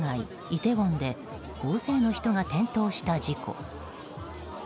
イテウォンで大勢の人が転倒した事故。